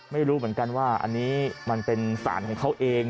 ไม่รู้เหมือนกันว่าอันนี้มันเป็นสารของเขาเอง